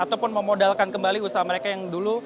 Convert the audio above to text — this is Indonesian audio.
ataupun memodalkan kembali usaha mereka yang dulu